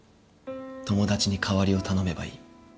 友達に代わりを頼めばいい。